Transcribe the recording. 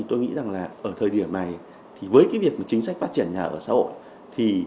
tôi nghĩ rằng ở thời điểm này với việc chính sách phát triển nhà ở xã hội